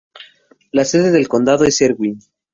La sede del condado es Erwin.